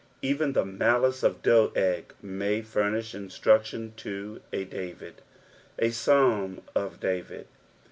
Even A« malice </ a Doeg may furnish inatrvdion to a David. A. Pulm of David.